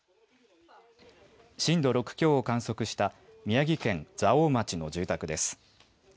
震度６強を観測した宮城県蔵王町の住宅です。